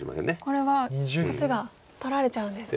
これはこっちが取られちゃうんですね。